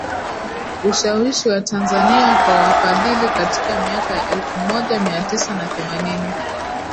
Ushawishi wa Tanzania kwa wafadhili Katika miaka ya elfu moja mia tisa na themanini